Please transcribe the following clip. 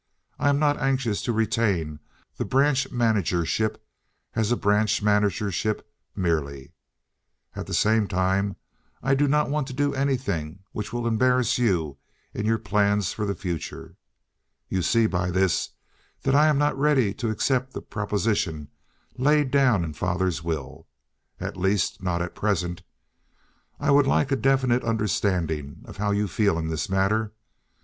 I am not anxious to retain the branch managership as a branch managership merely; at the same time I do not want to do anything which will embarrass you in your plans for the future. You see by this that I am not ready to accept the proposition laid down in father's will—at least, not at present. I would like a definite understanding of how you feel in this matter.